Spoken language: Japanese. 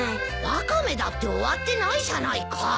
ワカメだって終わってないじゃないか。